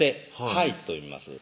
「はい」と読みます